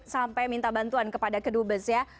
sampai minta bantuan kepada kedubes ya